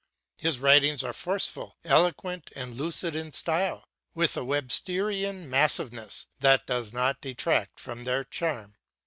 His writings are forceful, eloquent, and lucid in style, with a Websterian massiveness that does not detract from their charm.